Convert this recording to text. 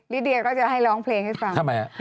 ลิเดียก็จะให้ร้องเพลงให้ฟังทำไมฮะ